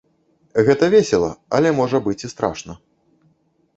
Гэта весела, але можа быць і страшна.